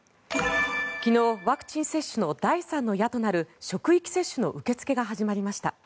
昨日、ワクチン接種の第３の矢となる職域接種の受け付けが始まりました。